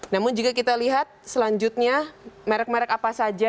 namun jika kita lihat selanjutnya merek merek apa saja